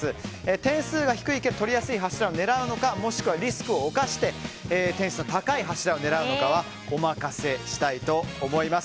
点数が低いけど取りやすい柱を狙うのかもしくはリスクを冒して点数の高い柱を狙うのかはお任せしたいと思います。